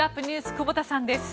久保田さんです。